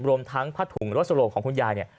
รวมทั้งพระถุงรสโรงของคุณยาย